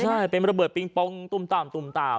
ใช่เป็นระเบิดปิงปองตุ้มตามตุ้มตาม